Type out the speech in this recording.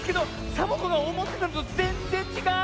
サボ子のおもってたのとぜんぜんちがう！